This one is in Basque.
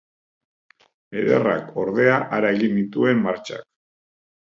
Ederrak ordea hara egin genituen martxak.